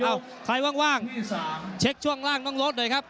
เอ้าใครว่างว่างเช็กช่วงล่างน้องรถเลยครับ